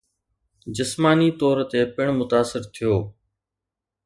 جسماني طور تي پڻ متاثر ٿيو